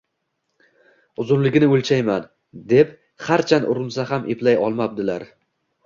Uzunligini o’lchayman, deb harchand urinsa ham eplay olmabdilar.